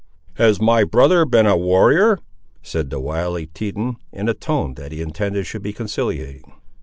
"Has my brother been a warrior?" said the wily Teton, in a tone that he intended should be conciliating.